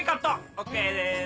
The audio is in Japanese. ＯＫです。